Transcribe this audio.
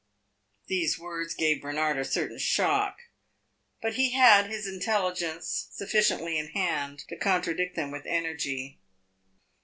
These words gave Bernard a certain shock, but he had his intelligence sufficiently in hand to contradict them with energy.